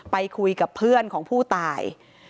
ไปคุยกับเพื่อนของผู้ตาย